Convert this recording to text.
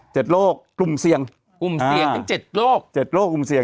โรคกลุ่มเสี่ยงกลุ่มเสี่ยงทั้งเจ็ดโลกเจ็ดโลกกลุ่มเสี่ยง